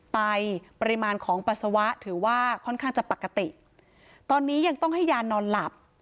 ปริมาณของปัสสาวะถือว่าค่อนข้างจะปกติตอนนี้ยังต้องให้ยานอนหลับ